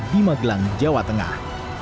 di magelang jawa tengah